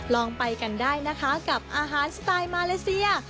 ลองไปกันได้นะคะกับอาหารสไตล์มาเลเซีย